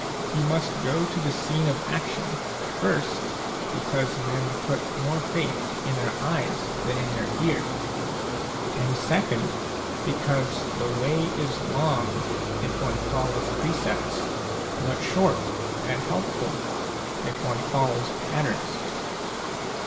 You must go to the scene of action, first, because men put more faith in their eyes than in their ears, a and second, because the way is long if one follows precepts, but short and helpful, if one follows patterns.